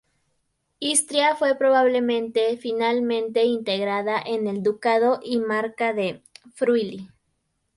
Istria fue, probablemente, finalmente integrada en el Ducado y Marca de Friuli.